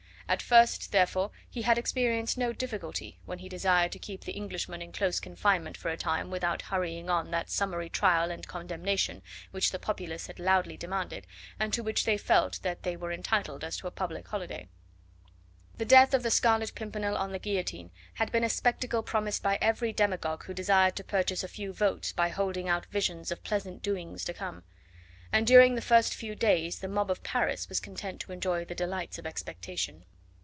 At first, therefore, he had experienced no difficulty when he desired to keep the Englishman in close confinement for a time without hurrying on that summary trial and condemnation which the populace had loudly demanded, and to which they felt that they were entitled to as a public holiday. The death of the Scarlet Pimpernel on the guillotine had been a spectacle promised by every demagogue who desired to purchase a few votes by holding out visions of pleasant doings to come; and during the first few days the mob of Paris was content to enjoy the delights of expectation.